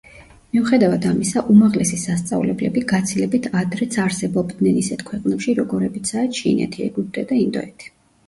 მიუხედავად ამისა, უმაღლესი სასწავლებლები გაცილებით ადრეც არსებობდნენ ისეთ ქვეყნებში, როგორებიცაა ჩინეთი, ეგვიპტე და ინდოეთი.